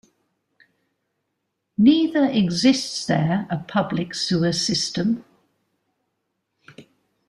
Neither exists there a public sewer system.